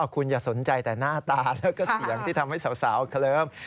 คุณอย่าสนใจแต่หน้าตาแล้วก็เสียงที่ทำให้สาวเคลิ้ม